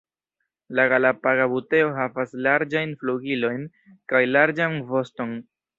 La Galapaga buteo havas larĝajn flugilojn kaj larĝan voston.